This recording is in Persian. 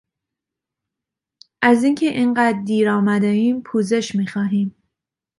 از این که این قدر دیر آمدهایم پوزش میخواهیم!